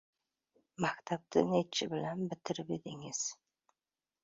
— Maktabni necha bilan bitirib eding?